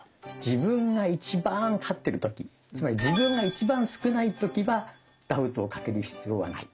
自分が一番勝ってる時つまり自分が一番少ない時はダウトをかける必要はない。